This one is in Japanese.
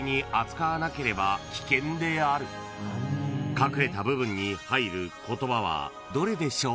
［隠れた部分に入る言葉はどれでしょう？］